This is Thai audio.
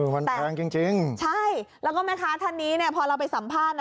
มันแพงจริงจริงใช่แล้วก็แม่ค้าท่านนี้เนี่ยพอเราไปสัมภาษณ์